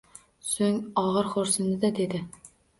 Soʻng ogʻir xoʻrsindi-da, dedi